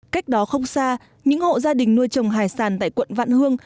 cách đó không xa những hộ gia đình nuôi trồng hải sản tại quận vạn hương